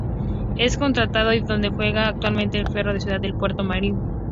Es contratado y donde Juega Actualmente en Ferro de la Ciudad de Puerto Madryn.